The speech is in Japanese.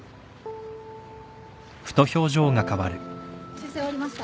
修正終わりました。